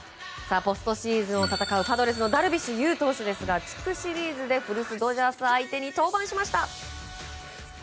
ポストシーズンを戦うパドレスのダルビッシュ有投手地区シリーズで古巣ドジャース相手に登板しました。